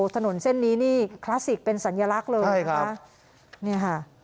ถนนเส้นนี้นี่คลาสสิกเป็นสัญลักษณ์เลยนะคะเนี่ยค่ะ